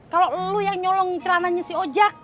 kalau lu yang nyolong celananya si oja